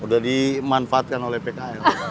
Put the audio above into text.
sudah dimanfaatkan oleh pkl